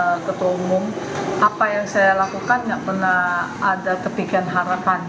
bapak ketua umum apa yang saya lakukan gak pernah ada kepikiran harapan